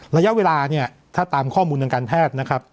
ระยะเวลาเนี่ยถ้าตามข้อมูลทางการแพทย์นะครับ